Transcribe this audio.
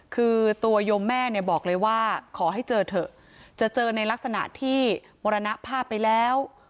คือตัวโยมแม่เนี่ยบอกเลยว่าขอให้เจอเถอะจะเจอในลักษณะที่มรณภาพไปแล้ว